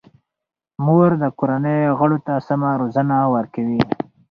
مور د کورنۍ غړو ته سمه روزنه ورکوي.